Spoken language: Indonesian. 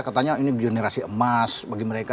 katanya ini generasi emas bagi mereka